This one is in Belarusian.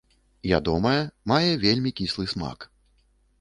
Ядомая, мае вельмі кіслы смак.